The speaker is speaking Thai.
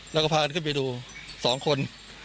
แล้วก็พากันขึ้นไปดู๒คน